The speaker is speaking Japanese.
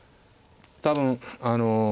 多分あの。